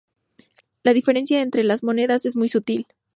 La diferencia entre las monedas es muy sutil.